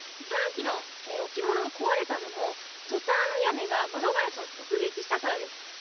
たぬきの置物が壊れたのもトタン屋根が窓ガラスを直撃したからです。